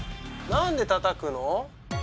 何でたたくの？